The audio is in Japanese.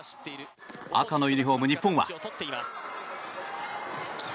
赤のユニホーム日本は。